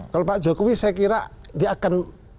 kalau pak jokowi saya kira dia akan